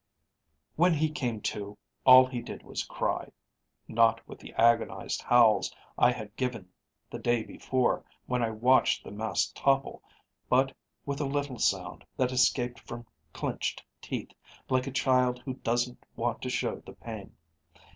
"When he came to, all he did was cry not with the agonized howls I had given the day before when I watched the mast topple, but with a little sound that escaped from clenched teeth, like a child who doesn't want to show the pain.